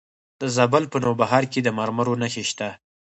د زابل په نوبهار کې د مرمرو نښې شته.